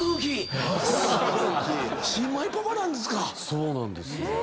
そうなんです。